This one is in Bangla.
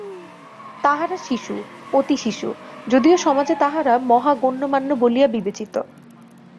তাহারা শিশু, অতি শিশু, যদিও সমাজে তাহারা মহাগণ্যমান্য বলিয়া বিবেচিত।